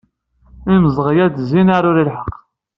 Imzeɣyal tezzin aɛrur i lḥeq!